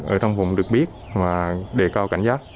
ở trong vùng được biết và đề cao cảnh giác